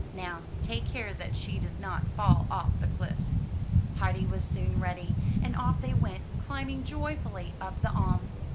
Now, take care that she does not fall off the cliffs." Heidi was soon ready, and off they went, climbing joyfully up the Aim.